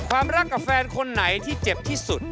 รักกับแฟนคนไหนที่เจ็บที่สุด